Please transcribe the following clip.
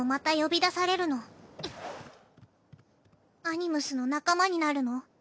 アニムスの仲間になるの？